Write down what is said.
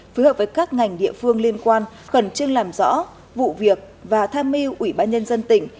phù hợp với các ngành địa phương liên quan khẩn trương làm rõ vụ việc và tham mưu ubnd tỉnh